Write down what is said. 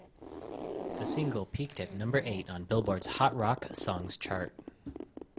The single peaked at number eight on "Billboard"s Hot Rock Songs chart.